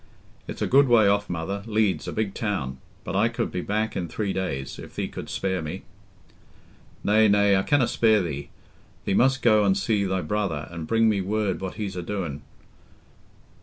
"It's a good way off, mother—Leeds, a big town. But I could be back in three days, if thee couldst spare me." "Nay, nay, I canna spare thee. Thee must go an' see thy brother, an' bring me word what he's a doin'.